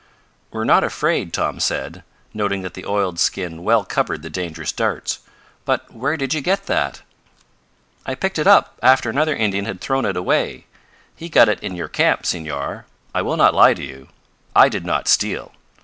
"We're not afraid," Tom said, noting that the oiled skin well covered the dangerous darts. "But where did you get that?" "I picked it up, after another Indian had thrown it away. He got it in your camp, Senor. I will not lie to you. I did not steal.